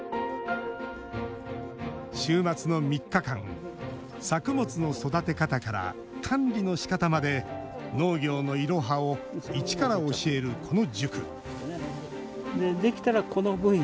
週末の３日間、作物の育て方から管理のしかたまで農業のイロハを一から教えるこの塾。